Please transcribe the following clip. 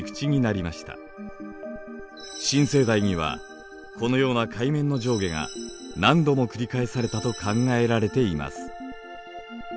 新生代にはこのような海面の上下が何度もくり返されたと考えられています。